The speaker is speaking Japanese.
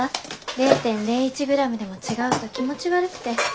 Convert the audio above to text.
０．０１グラムでも違うと気持ち悪くて。